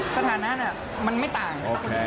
สถานะมันไม่ต่าง